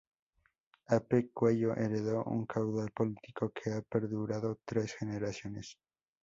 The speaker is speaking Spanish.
Ape Cuello heredó un caudal político que ha perdurado tres generaciones.